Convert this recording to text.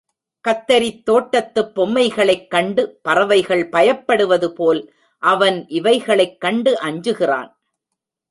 கத்தரித் தோட்டத்துப் பொம்மைகளைக் கண்டு பறவைகள் பயப்படுவதுபோல், அவன் இவைகளைக் கண்டு அஞ்சுகிறான்.